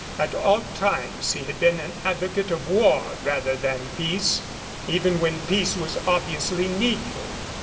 At all times he had been an advocate of war rather than peace, even when peace was obviously needful.